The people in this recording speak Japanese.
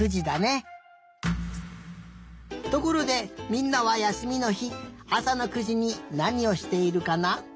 ところでみんなはやすみのひあさの９じになにをしているかな？